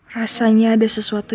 rasanya ada sesuatu